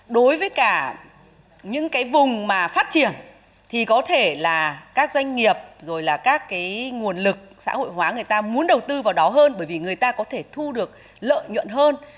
đối với cả những cái vùng mà phát triển thì có thể là các doanh nghiệp rồi là các cái nguồn lực xã hội hóa người ta muốn đầu tư vào đó hơn bởi vì người ta có thể thu được lợi nhuận hơn